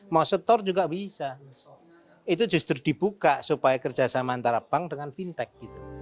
mau store juga bisa itu justru dibuka supaya kerjasama antara bank dengan fintech